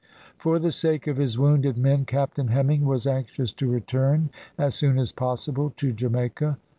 For the sake of his wounded men Captain Hemming was anxious to return as soon as possible to Jamaica.